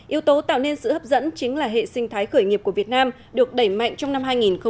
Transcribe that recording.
yếu tố tạo nên sự hấp dẫn chính là hệ sinh thái khởi nghiệp của việt nam được đẩy mạnh trong năm hai nghìn một mươi chín